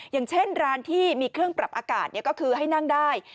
อย่างเช่นร้านที่มีเครื่องปรับอากาศก็คือให้นั่งได้